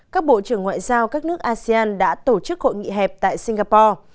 các bộ trưởng ngoại giao các nước asean đã tổ chức hội nghị hẹp tại singapore